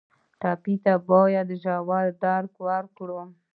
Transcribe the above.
ټپي ته باید ژور درک وکړو.